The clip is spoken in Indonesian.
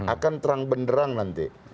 akan terang benderang nanti